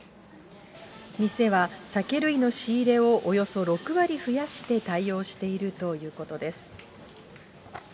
店は、酒類の仕入れをおよそ６割増やして対応しているということです。